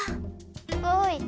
おい。